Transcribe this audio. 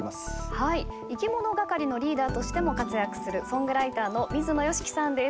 いきものがかりのリーダーとしても活躍するソングライターの水野良樹さんです。